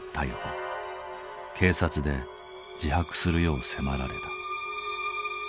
警察で自白するよう迫られた。